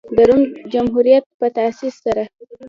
د روم جمهوریت په تاسیس سره.